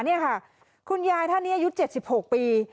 นี่ค่ะคุณยายท่านนี้อายุ๗๖ปี